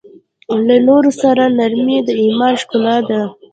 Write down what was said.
له نورو سره نرمي د ایمان ښکلا ده.